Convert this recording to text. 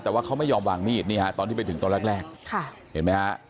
แต่ว่าเขาไม่ยอมวางมีดนี่ฮะตอนที่ไปถึงตอนแรกค่ะเห็นไหมฮะ